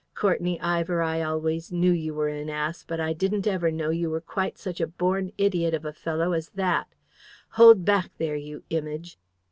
Courtenay Ivor, I always knew you were an ass, but I didn't ever know you were quite such a born idiot of a fellow as that. Hold back there, you image!'